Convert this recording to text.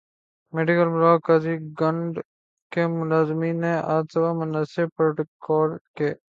medical block Qazigund کے ملازمین نے آج صبح مناسب پروٹوکول ک